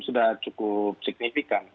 sudah cukup signifikan